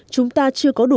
chúng ta chưa có đủ